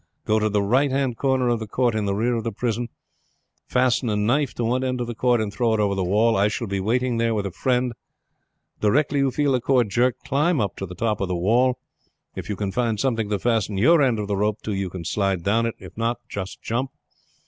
Go to the right hand corner of the court in the rear of the prison. Fasten a knife to one end of the cord and throw it over the wall. I shall be waiting there with a friend. Directly you feel the cord jerked climb up to the top of the wall. If you can find something to fasten your end of the rope to you can slide down it. If not, you must jump.